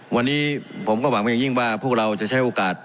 วันนี้ผมก็หวังเป็นอย่างยิ่งว่าพวกเราจะใช้โอกาส